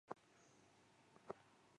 维拉克。